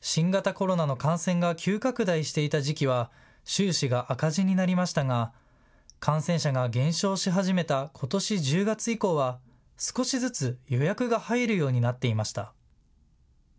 新型コロナの感染が急拡大していた時期は収支が赤字になりましたが感染者が減少し始めたことし１０月以降は少しずつ予約が入るようになっていました。